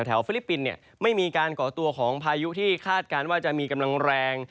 ฟิลิปปินส์ไม่มีการก่อตัวของพายุที่คาดการณ์ว่าจะมีกำลังแรง